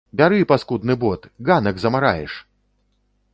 Бяры паскудны бот, ганак замараеш!